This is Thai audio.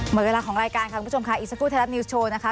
หมดเวลาของรายการค่ะคุณผู้ชมค่ะอีกสักครู่ไทยรัฐนิวส์โชว์นะคะ